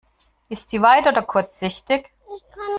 Ist sie weit- oder kurzsichtig?